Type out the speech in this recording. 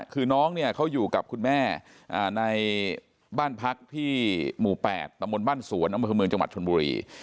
คือน้องเขาอยู่กับคุณแม่ในบ้านพักที่หมู่๘ประมวลบ้านสวนน้ำพื้นเมืองจังหวัดชนบุรี